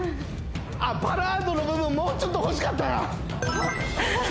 バラードの部分もうちょっと欲しかったな